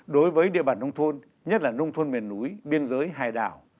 đối với địa bàn nông thôn nhất là nông thôn miền núi biên giới hải đảo